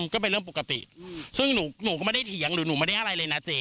ก็เป็นเรื่องปกติซึ่งหนูก็ไม่ได้เถียงหรือหนูไม่ได้อะไรเลยนะเจ